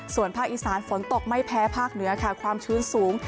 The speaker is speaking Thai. ส่วนภาคอีสานฝนตกไม่แพ้ภาคเหนือค่ะความชื้นสูง